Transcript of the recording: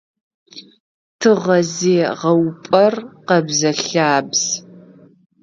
Тыгъэзегъэупӏэр къэбзэ-лъабз.